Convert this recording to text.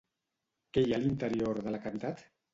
Què hi ha a l'interior de la cavitat?